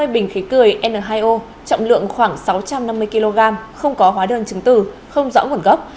hai mươi bình khí cười n hai o trọng lượng khoảng sáu trăm năm mươi kg không có hóa đơn chứng từ không rõ nguồn gốc